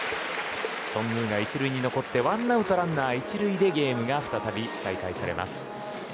頓宮が１塁に残って１アウト、ランナー１塁でゲームが再び再開されます。